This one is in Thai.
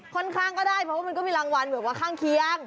ค่อนข้างก็ได้เพราะว่ามันก็มีรางวัลแบบว่าข้างเคียง